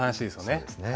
そうですね。